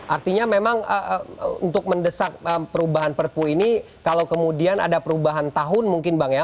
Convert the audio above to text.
artinya memang untuk mendesak perubahan perpu ini kalau kemudian ada perubahan tahun mungkin bang ya